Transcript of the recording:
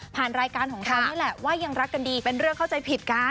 รายการของเรานี่แหละว่ายังรักกันดีเป็นเรื่องเข้าใจผิดกัน